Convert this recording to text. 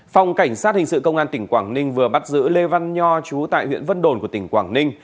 phòng cảnh sát hình sự công an tỉnh quảng ninh vừa bắt giữ lê văn nho chú tại huyện vân đồn của tỉnh quảng ninh